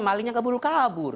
malingnya keburu kabur